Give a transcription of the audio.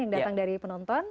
yang datang dari penonton